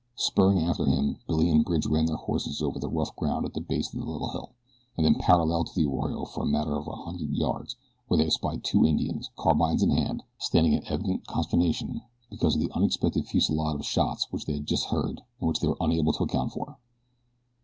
Spurring after him Billy and Bridge ran their horses over the rough ground at the base of the little hill, and then parallel to the arroyo for a matter of a hundred yards, where they espied two Indians, carbines in hand, standing in evident consternation because of the unexpected fusillade of shots which they had just heard and which they were unable to account for.